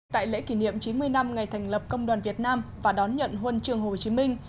tại lễ kỷ niệm chín mươi năm ngày thành lập công đoàn việt nam và đón nhận huân trường hồ chí minh